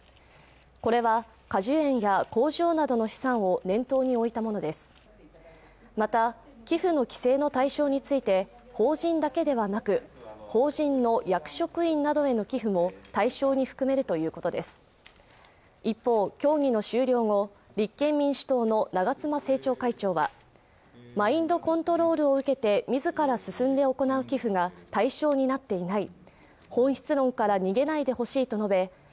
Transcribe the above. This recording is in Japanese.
これは果樹園や工場などの資産を念頭に置いたものですまた寄付の規制の対象について法人だけではなく法人の役職員などへの寄付も対象に含めるということです一方協議の終了後立憲民主党の長妻政調会長はマインドコントロールを受けて自ら進んで行う寄付が対象になっていない